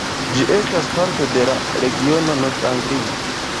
Ĝi estas parto de la regiono Nov-Anglio.